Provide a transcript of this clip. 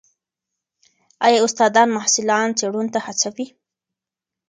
ایا استادان محصلان څېړنو ته هڅوي؟